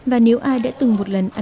và nếu ai đã từng một lần ăn nộm sứa